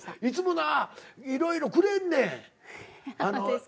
いつもなぁいろいろくれるねん。